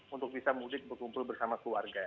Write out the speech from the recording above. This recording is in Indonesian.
untuk bisa mudik berkumpul bersama keluarga